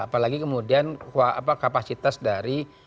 apalagi kemudian kapasitas dari